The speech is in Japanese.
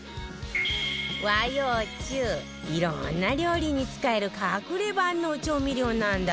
和洋中いろんな料理に使える隠れ万能調味料なんだって